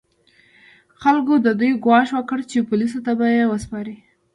خلکو د دوی ګواښ وکړ چې پولیسو ته به یې وسپاري.